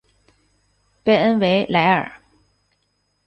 贝恩维莱尔。